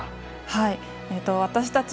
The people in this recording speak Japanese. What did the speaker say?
はい私たち